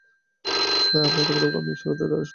আমরা তোমার বোকামির বিশালতার দ্বারা সুরক্ষিত।